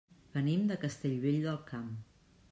Venim de Castellvell del Camp.